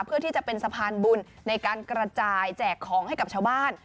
เพื่อที่จะเป็นสะพานบุญในการกระจายแจกของให้กับชาวบ้าน